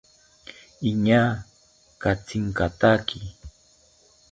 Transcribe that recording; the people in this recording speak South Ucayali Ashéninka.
Iñaa katsinkataki